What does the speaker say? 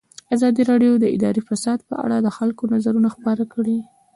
ازادي راډیو د اداري فساد په اړه د خلکو نظرونه خپاره کړي.